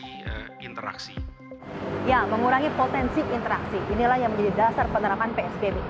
ya mengurangi potensi interaksi inilah yang menjadi dasar penerapan psbb